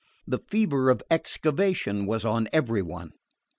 The fever of excavation was on every one.